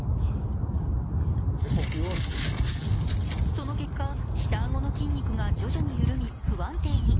その結果、下顎の筋肉が徐々に緩み、不安定に。